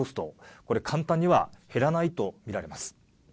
これ簡単には減らないと見られます。